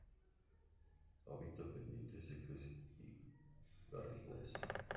Habita pendientes secas y garrigas.